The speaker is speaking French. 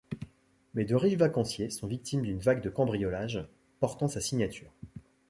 Mais de riches vacanciers sont victimes d'une vague de cambriolages portant sa signature.